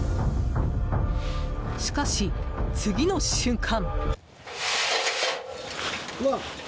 しかし、次の瞬間。